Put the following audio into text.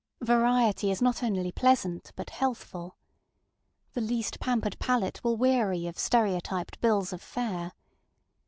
Variety is not only pleasant, but healthful. The least pampered palate will weary of stereotyped bills of fare.